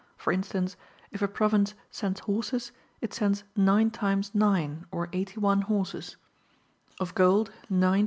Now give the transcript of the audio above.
For instance, if a province sends horses, it sends nine times nine or 8r horses; of gold, nine times CHA.